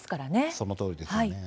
そのとおりですね。